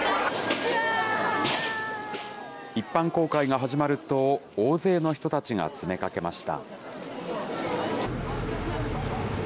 一般公開が始まると、大勢の人たちが詰めかけました。